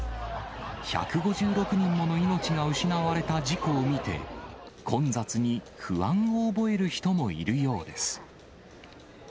１５６人もの命が失われた事故を見て、混雑に不安を覚える人もいるようです。